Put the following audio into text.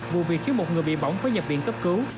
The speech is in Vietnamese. vụ việc khiến một người bị bỏng phải nhập viện cấp cứu